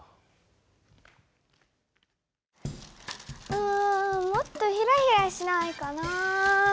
うんもっとヒラヒラしないかな。